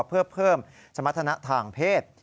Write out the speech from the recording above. เพื่อเพิ่มสมรรถนะทางเพศ